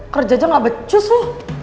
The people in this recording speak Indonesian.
kerja aja gak becus lo